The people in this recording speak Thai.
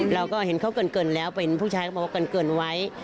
เราก็เห็นเขาเกินแล้วเป็นผู้ชายเขาบอกว่าเกินไว้